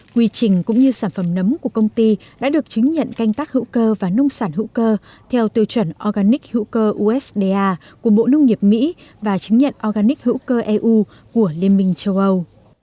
quy trình cũng như sản phẩm nấm của công ty đã được chứng nhận canh tác hữu cơ và nông sản hữu cơ theo tiêu chuẩn organic hữu cơ usda của bộ nông nghiệp mỹ và chứng nhận organic hữu cơ eu của liên minh châu âu